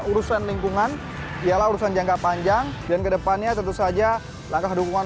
urusan lingkungan ialah urusan jangka panjang dan kedepannya tentu saja langkah dukungan